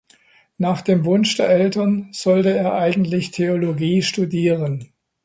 Nach dem Wunsch der Eltern sollte er eigentlich Theologie studieren.